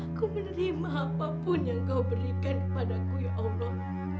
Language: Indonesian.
aku menerima apapun yang kau berikan kepadaku ya allah